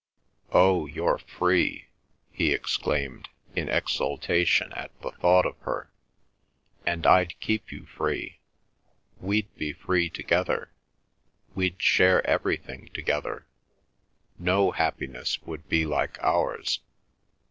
"Oh, you're free!" he exclaimed, in exultation at the thought of her, "and I'd keep you free. We'd be free together. We'd share everything together. No happiness would be like ours.